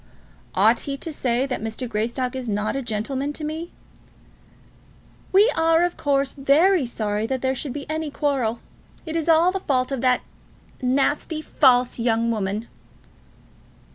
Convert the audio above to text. "Ought he to say that Mr. Greystock is not a gentleman to me?" "We are, of course, very sorry that there should be any quarrel. It is all the fault of that nasty, false young woman."